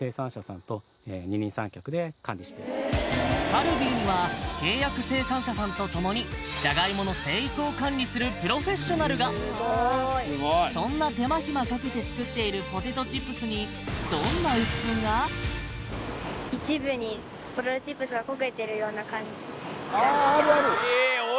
カルビーには契約生産者さんとともにジャガイモの生育を管理するプロフェッショナルがそんな手間暇かけて作っているポテトチップスに一部にポテトチップスがコゲてるような感じがしてます